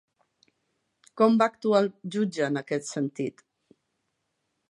Com va actuar el jutge en aquest sentit?